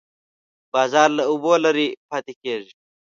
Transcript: باز له اوبو لرې پاتې کېږي